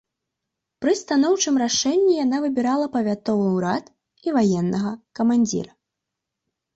Пры станоўчым рашэнні яна выбірала павятовы ўрад і ваеннага камандзіра.